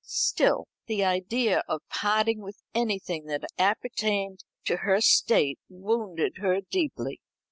Still the idea of parting with anything that appertained to her state wounded her deeply.